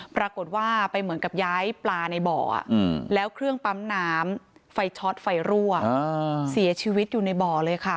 ปรากฏว่าไปเหมือนกับย้ายปลาในบ่อแล้วเครื่องปั๊มน้ำไฟช็อตไฟรั่วเสียชีวิตอยู่ในบ่อเลยค่ะ